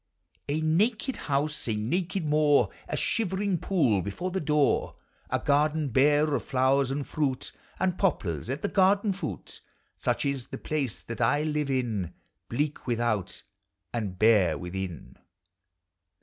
A naked house, a naked moor, A shivering pool before the door, A garden bare of flowers and fruit, And poplars at the garden foot; Such is the place that I live in, Bleak without and bare within.